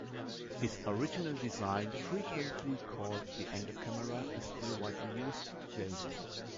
His original design, frequently called the Anger camera, is still widely used today.